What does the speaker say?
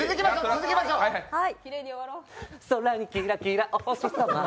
空にキラキラお星さま。